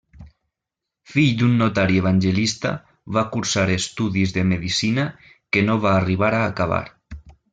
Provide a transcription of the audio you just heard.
Fill d'un notari evangelista, va cursar estudis de medicina que no va arribar a acabar.